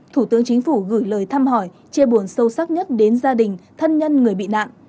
thủ tướng chính phủ gửi lời thăm hỏi chia buồn sâu sắc nhất đến gia đình thân nhân người bị nạn